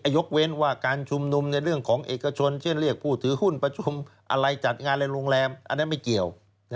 ยกเว้นว่าการชุมนุมในเรื่องของเอกชนเช่นเรียกผู้ถือหุ้นประชุมอะไรจัดงานในโรงแรมอันนั้นไม่เกี่ยว